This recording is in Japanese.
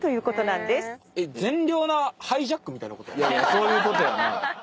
そういうことやな。